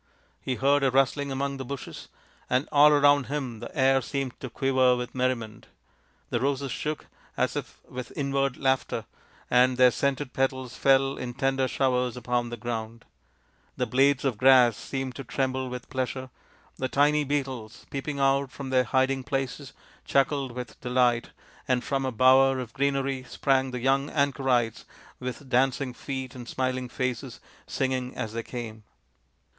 He heard a rustling among the bushes, and all around him the air seemed to quiver with merriment ; the roses shook as if with inward laughter, and their scented petals fell in tender showers upon the ground ; the blades of grass seemed to tremble with pleasure ; the tiny beetles, peeping out from their hiding places' chuckled with delight, and from a bower of greenery sprang the young anchorites with dancing feet and smiling faces, singing as they came.